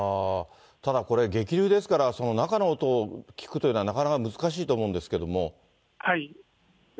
ただ、これ、激流ですから、その中の音を聞くというのは、なかなか難しいと思うんですけれども。